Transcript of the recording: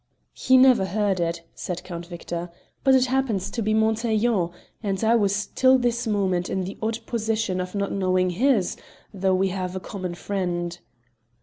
"He never heard it," said Count Victor, "but it happens to be Montaiglon, and I was till this moment in the odd position of not knowing his, though we have a common friend."